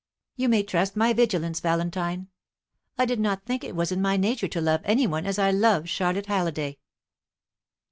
"You may trust my vigilance, Valentine. I did not think it was in my nature to love any one as I love Charlotte Halliday."